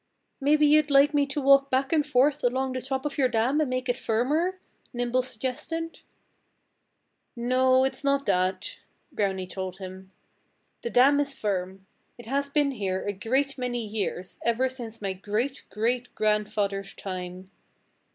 "Maybe you'd like me to walk back and forth along the top of your dam and make it firmer," Nimble suggested. "No, it's not that," Brownie told him. "The dam is firm. It has been here a great many years, ever since my great great grandfather's time....